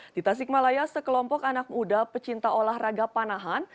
di tasikmalaya sekelompok anak muda pecinta olahraga panahan